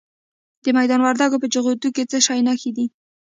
د میدان وردګو په جغتو کې د څه شي نښې دي؟